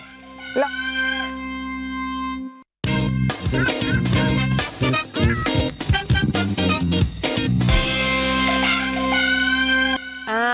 ฮิเปอร์